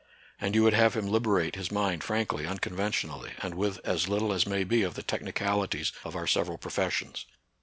And you would have him liberate his mind frankly, unconventionally, and with as little as may be of the technicalities of our several professions.